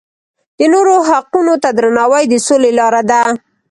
د نورو حقونو ته درناوی د سولې لاره ده.